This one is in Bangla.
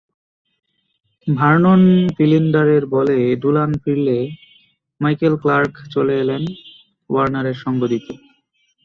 ভারনন ফিলিন্ডারের বলে ডুলান ফিরলে মাইকেল ক্লার্ক চলে এলেন ওয়ার্নারের সঙ্গ দিতে।